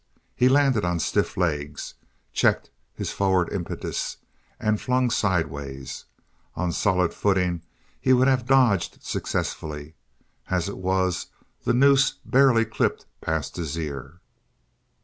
He landed on stiff legs, checked his forward impetus and flung sidewise. On solid footing he would have dodged successfully; as it was the noose barely clipped past his ear.